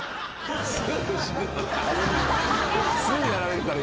すぐやられるから。